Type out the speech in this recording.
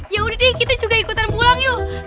ya udah deh kita juga ikutan pulang yuk